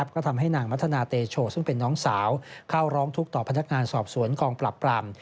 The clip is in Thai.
ก็ทำให้นางมัธนาเตโชซึ่งเป็นน้องสาวเข้าร้องทุกข์ต่อพนักงานสอบสวนกองปรับปราม